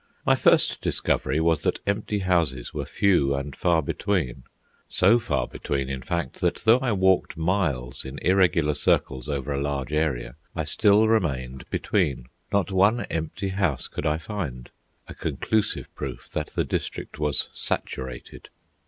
My first discovery was that empty houses were few and far between—so far between, in fact, that though I walked miles in irregular circles over a large area, I still remained between. Not one empty house could I find—a conclusive proof that the district was "saturated."